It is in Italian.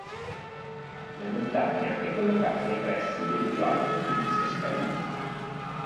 La montagna è collocata nei pressi del più alto Pizzo Scalino.